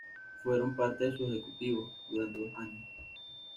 Fueron parte de su ejecutivo durante dos anos.